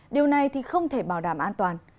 điều này không thể bảo đảm an toàn